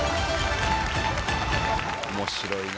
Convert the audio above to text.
面白いな。